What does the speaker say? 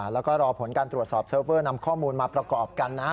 แล้วก็รอผลการตรวจสอบเซิร์ฟเวอร์นำข้อมูลมาประกอบกันนะ